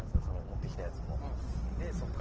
持ってきたやつも。